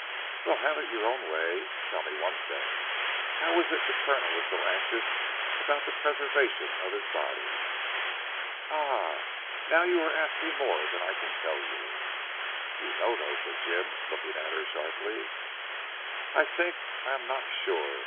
"Well. Have it your own way. Tell me one thing. How is it the Colonel was so anxious about the preservation of his body?" "Ah! Now you are asking more than I can tell you." "You know though," said Jim looking at her sharply. "I think I am not sure.